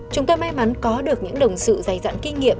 chúng tôi may mắn có được những đồng sự dày dặn kinh nghiệm